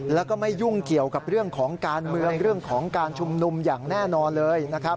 แล้วก็ไม่ยุ่งเกี่ยวกับเรื่องของการเมืองเรื่องของการชุมนุมอย่างแน่นอนเลย